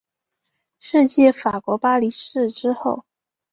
是继法国巴黎市之后。